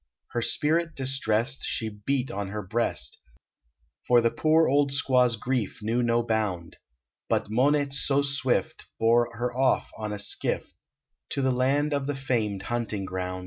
Her spirit distressed, She beat on her breast, For the poor old squaw s grief knew no bound; But Monets so swift, Bore her off in a skiff, To the land of the famed hunting ground.